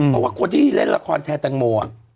บอกว่ากว่าพี่เล่นละครแทนแตงโม